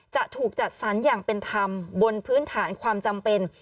จะถูกจัดสรรอย่างเป็นธรรมบนพื้นฐานความจำเป็น